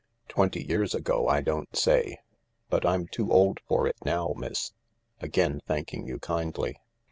Twenty years ago I don't say. But I'm too old for it now, miss, again thanking you kindly."